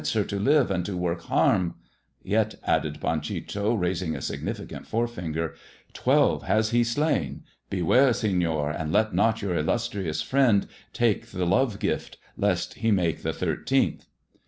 her to live and to work harm. ' Tet," added PlEffldi raising a significant forefinger, "twelve has he di Beware, Seiior, and let not your illustrious friend take love gift, lest he make the thirteenth."